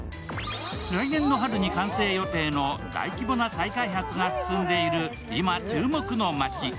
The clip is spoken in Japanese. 来年の春に完成予定の大規模な再開発が進んでいる、今注目の街。